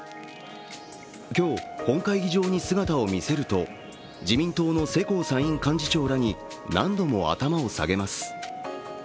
今日、本会議場に姿を見せると自民党の世耕参院幹事長らに何度も頭を下げます。